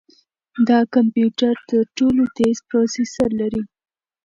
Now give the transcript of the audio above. دا کمپیوټر تر ټولو تېز پروسیسر لري.